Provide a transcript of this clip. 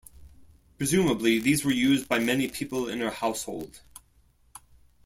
Presumably these were used by many people in her household.